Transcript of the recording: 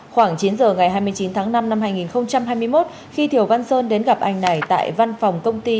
khoảng chín giờ ngày hai mươi chín tháng năm năm hai nghìn hai mươi một khi thiều văn sơn đến gặp anh này tại văn phòng công ty